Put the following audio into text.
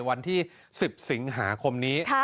วันที่๑๐สิงหาคมนี้